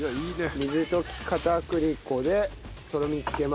水溶き片栗粉でとろみつけます。